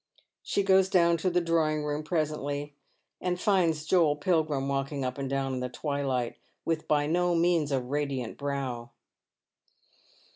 She goes down to the drawing room presently, and finds Joel Pilgrim walking up and down in the twilight, with by no means a radiant brow.